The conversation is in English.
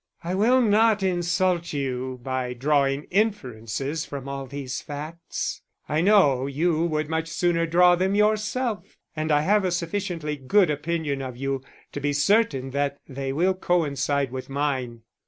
_ _I will not insult you by drawing inferences from all these facts: I know you would much sooner draw them yourself, and I have a sufficiently good opinion of you to be certain that they will coincide with mine.